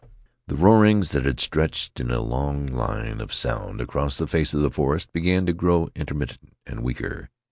The roarings that had stretched in a long line of sound across the face of the forest began to grow intermittent and weaker.